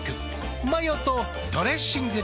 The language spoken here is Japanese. マヨとドレッシングで。